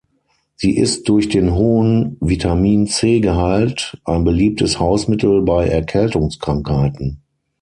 Sie ist durch den hohen Vitamin C-Gehalt ein beliebtes Hausmittel bei Erkältungskrankheiten.